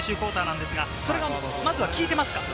それが効いていますか？